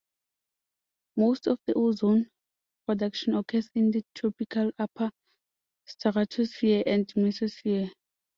Most of the ozone production occurs in the tropical upper stratosphere and mesosphere.